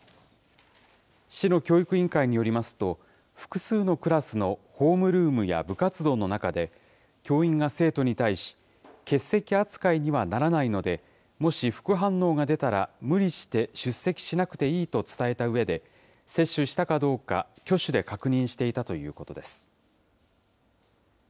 市の教育委員会によりますと、複数のクラスのホームルームや部活動の中で、教員が生徒に対し、欠席扱いにはならないので、もし副反応が出たら無理して出席しなくていいと伝えたうえで、接種したかどうか挙手で確認していたということです。